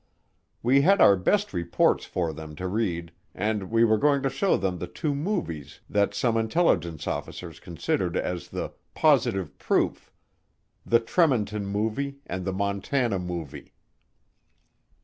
We had our best reports for them to read, and we were going to show them the two movies that some intelligence officers considered as the "positive proof" the Tremonton Movie and the Montana Movie.